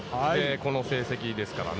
この成績ですからね。